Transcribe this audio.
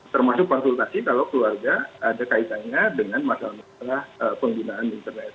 termasuk konsultasi kalau keluarga ada kaitannya dengan masalah masalah penggunaan internet